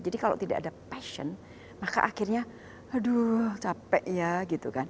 jadi kalau tidak ada passion maka akhirnya aduh capek ya gitu kan